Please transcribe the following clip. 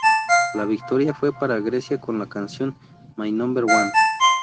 La victoria fue para Grecia con la canción "My Number One".